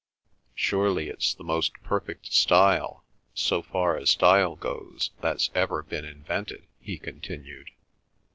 "Surely it's the most perfect style, so far as style goes, that's ever been invented," he continued.